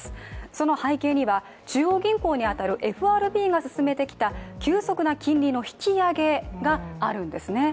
その背景には中央銀行に当たるＦＲＢが進めてきた急速な金利の引き上げがあるんですね。